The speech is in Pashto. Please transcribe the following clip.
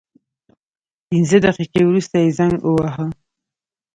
پنځه دقیقې وروسته یې زنګ وواهه.